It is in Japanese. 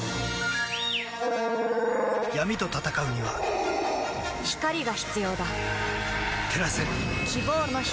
闇と闘うには光が必要だ照らせ希望の光